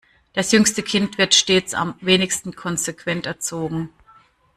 Das jüngste Kind wird stets am wenigsten konsequent erzogen.